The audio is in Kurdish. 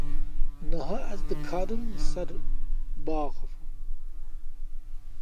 Niha, ez dikarim li ser biaxivim.